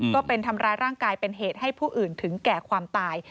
ก็เป็นทำร้ายร่างกายเป็นเหตุให้ผู้อื่นถึงแก่ความตาย